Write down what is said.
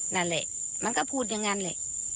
นั่นเลยมันก็พูดอย่างนั้นเลย